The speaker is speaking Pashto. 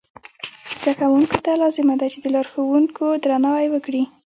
زده کوونکو ته لازمه ده چې د لارښوونکو درناوی وکړي.